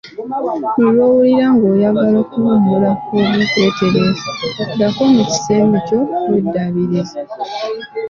Buli lw‘owulira ng‘oyagala okuwummulako oba okwetereza ddako mu kisenge kyo weddabiriza.